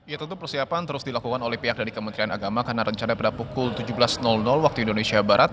ya tentu persiapan terus dilakukan oleh pihak dari kementerian agama karena rencana pada pukul tujuh belas waktu indonesia barat